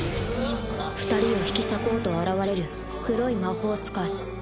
二人を引き裂こうと現れる黒い魔法使い。